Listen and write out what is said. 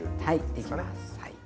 できます。